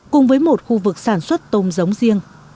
cùng với một khu vực sản xuất tôm giống riêng